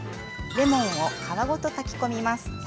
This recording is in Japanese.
レモンを皮ごと炊き込みます。